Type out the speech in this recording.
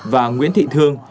và nguyễn thị thương